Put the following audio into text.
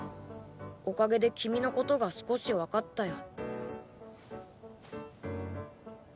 おかげで君のことが少し分かったよ。